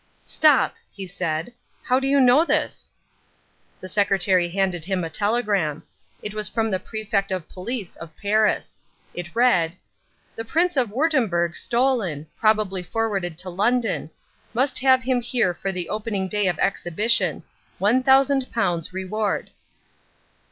"Stop!" he said, "how do you know this?" The secretary handed him a telegram. It was from the Prefect of Police of Paris. It read: "The Prince of Wurttemberg stolen. Probably forwarded to London. Must have him here for the opening day of Exhibition. £1,000 reward."